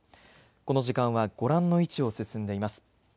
この時間はご覧の位置を進んでいます。